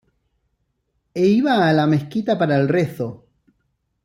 E iba a la Mezquita para el rezo.